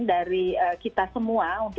terima kasih ibu